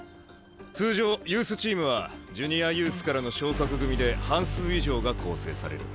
通常ユースチームはジュニアユースからの昇格組で半数以上が構成される。